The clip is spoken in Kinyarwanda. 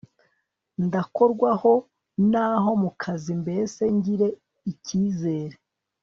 ndakorwaho hano mukazi mbese ngire ikizere